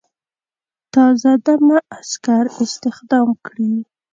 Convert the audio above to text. تازه دمه عسکر استخدام کړي.